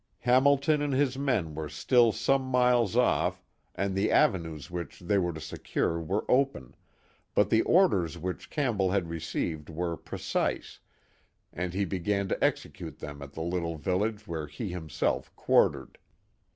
Hamihon and his men were still some miles off and the avenues which tliey were to secure were open, but the orders which Campbell had received were precise, and lie began to execute them at the little village where he himself quaTtered.